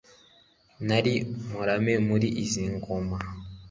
Nari umurame muri izi ngoma